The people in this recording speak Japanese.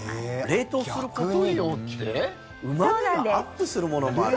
冷凍することによってうま味がアップするものもある？